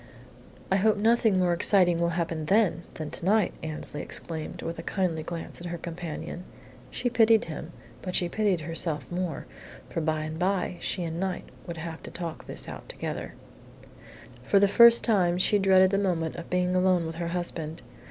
"I hope nothing more exciting will happen then than to night!" Annesley exclaimed, with a kindly glance at her companion. She pitied him, but she pitied herself more, for by and by she and Knight would have to talk this thing out together. For the first time she dreaded the moment of being alone with her husband.